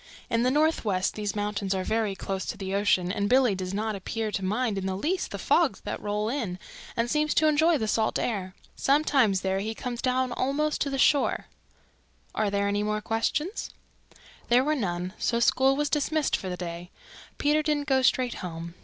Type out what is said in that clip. "In the Northwest these mountains are very close to the ocean and Billy does not appear to mind in the least the fogs that roll in, and seems to enjoy the salt air. Sometimes there he comes down almost to the shore. Are there any more questions?" There were none, so school was dismissed for the day. Peter didn't go straight home.